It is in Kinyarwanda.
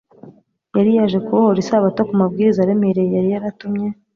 Yari yaje kubohora Isabato ku mabwiriza aremereye yari yaratumye